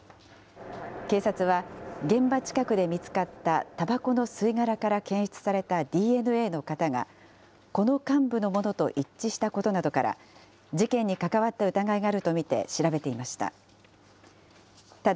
警察は、現場近くで見つかったたばこの吸い殻から検出されたＤＮＡの型が、この幹部のものと一致したことなどから、事件に関わった疑いがあると見て調べていました。